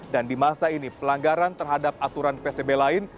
dan di masa ini pelanggaran terhadap aturan pcb lain